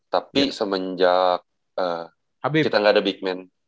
tapi semenjak kita nggak ada big man